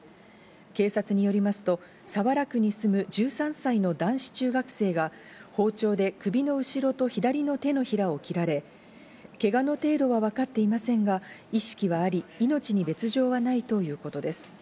警察によりますと、早良区に住む１３歳の男子中学生が包丁で首の後ろと左の手のひらを切られ、けがの程度はわかっていませんが、意識はあり命に別条はないということです。